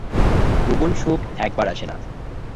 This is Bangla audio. প্রবল শোক একবার আসে না।